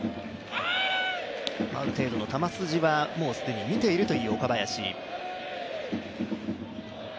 ある程度の球筋は見ているという岡林。